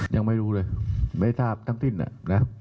ยังไม่รู้เลยไม่ทราบทั้งสิ้นนะ